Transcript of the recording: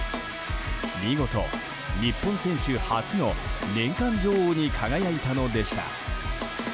見事、日本選手初の年間女王に輝いたのでした。